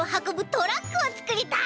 トラックをつくりたい！